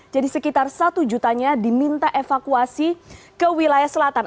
jadi sekitar satu jutanya diminta evakuasi ke wilayah selatan